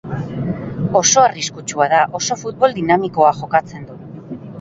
Oso arriskutsua da, oso futbol dinamikoa jokatzen du.